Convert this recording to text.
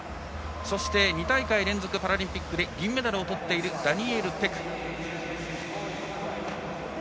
そして、２大会連続パラリンピックで銀メダルのダニエル・ペク。